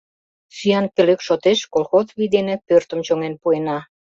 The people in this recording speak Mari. Сӱан пӧлек шотеш колхоз вий дене пӧртым чоҥен пуэна.